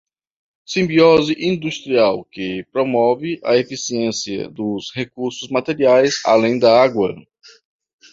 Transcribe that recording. Simbiose industrial que promove a eficiência dos recursos materiais além da água.